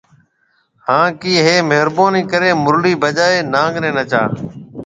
ھان ڪي ھيَََ مھربوني ڪري مُرلي بجائي نانگ ني نچا